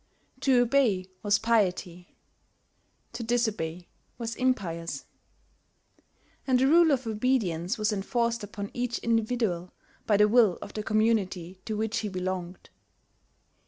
To obey was piety; to disobey was impious; and the rule of obedience was enforced upon each individual by the will of the community to which he belonged.